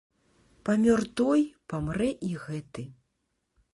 Памёр той, памрэ і гэты.